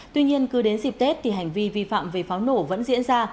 tuy nhiên cứ đến dịp tết thì hành vi vi phạm về pháo nổ vẫn diễn ra